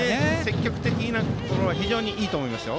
積極的なところは非常にいいと思いますよ。